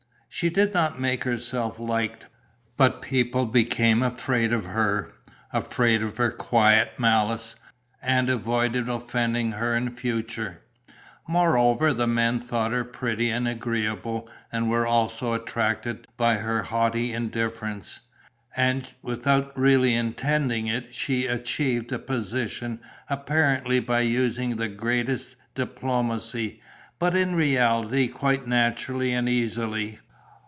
She did not make herself liked, but people became afraid of her, afraid of her quiet malice, and avoided offending her in future. Moreover, the men thought her pretty and agreeable and were also attracted by her haughty indifference. And, without really intending it, she achieved a position, apparently by using the greatest diplomacy, but in reality quite naturally and easily.